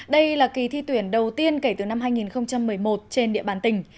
đây là kỳ thi tuyển đầu tiên kể từ năm hai nghìn một mươi một trên địa bàn tỉnh